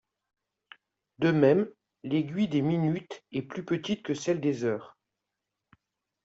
De même, l'aiguille des minutes est plus petite que celle des heures.